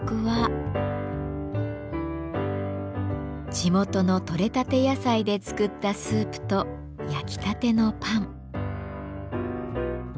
地元の取れたて野菜で作ったスープと焼きたてのパン。